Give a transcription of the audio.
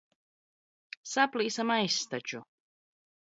Saplīsa maiss taču.